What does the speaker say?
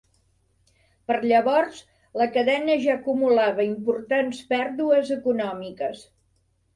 Per llavors la cadena ja acumulava importants pèrdues econòmiques.